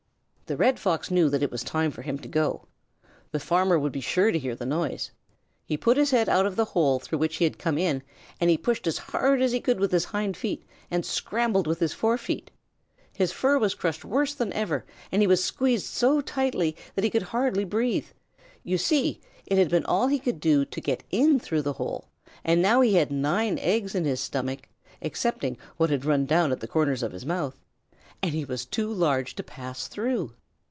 The Red Fox knew that it was time for him to go. The farmer would be sure to hear the noise. He put his head out of the hole through which he had come in, and he pushed as hard as he could with his hind feet and scrambled with his fore feet. His fur was crushed worse than ever, and he was squeezed so tightly that he could hardly breathe. You see it had been all he could do to get in through the hole, and now he had nine eggs in his stomach (excepting what had run down at the corners of his mouth), and he was too large to pass through.